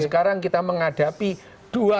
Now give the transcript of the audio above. sekarang kita menghadapi dua